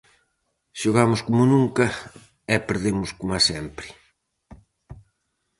Xogamos coma nunca e perdemos coma sempre.